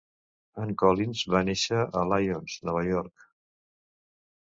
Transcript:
Ann Collins va néixer a Lyons, Nova York.